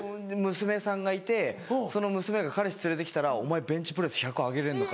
娘さんがいてその娘が彼氏連れて来たら「お前ベンチプレス１００上げれんのか？」